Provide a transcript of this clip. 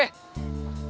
ayo kita juga pergi